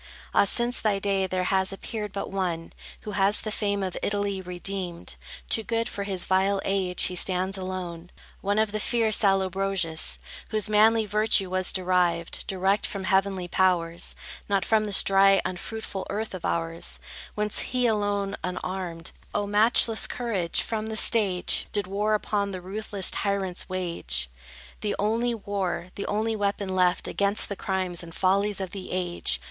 Ah, since thy day, there has appeared but one, Who has the fame of Italy redeemed: Too good for his vile age, he stands alone; One of the fierce Allobroges, Whose manly virtue was derived Direct from heavenly powers, Not from this dry, unfruitful earth of ours; Whence he alone, unarmed,— O matchless courage!—from the stage, Did war upon the ruthless tyrants wage; The only war, the only weapon left, Against the crimes and follies of the age.